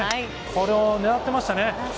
これを狙ってました。